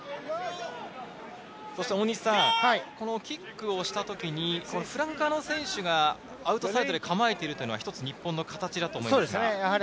キックをした時にフランカーの選手がアウトサイドで構えているのは日本の形だと思いますね。